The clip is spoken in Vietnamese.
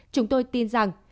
chúng tôi tin rằng